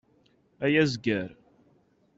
Ay azger!